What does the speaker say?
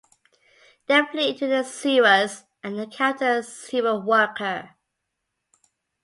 They flee into the sewers and encounter a sewer worker.